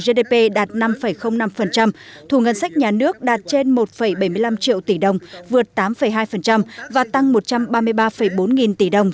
gdp đạt năm năm thù ngân sách nhà nước đạt trên một bảy mươi năm triệu tỷ đồng vượt tám hai và tăng một trăm ba mươi ba bốn nghìn tỷ đồng